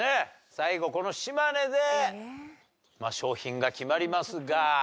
最後この島根で商品が決まりますが。